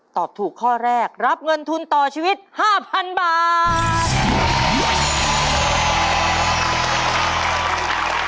ตอบถูกข้อแรกรับเงินทุนต่อชีวิต๕๐๐๐บาท